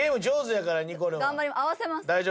合わせます。